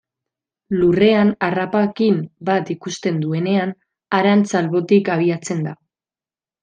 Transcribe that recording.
Lurrean harrapakin bat ikusten duenean, harantz albotik abiatzen da.